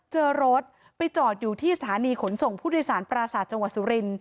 เจอรถไปจอดอยู่ที่สถานีขนส่งผู้โดยสารปราศาสตร์จังหวัดสุริน